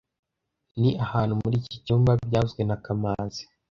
Ni ahantu muri iki cyumba byavuzwe na kamanzi